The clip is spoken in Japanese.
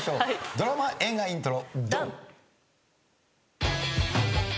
ドラマ・映画イントロ。